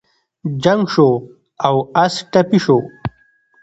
جنګ شو او اس ټپي شو.